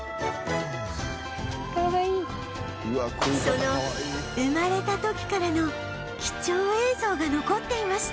その生まれた時からの貴重映像が残っていました